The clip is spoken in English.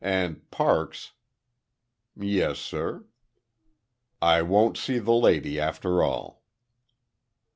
And Parks." "Yes, sir?" "I won't see the lady after all."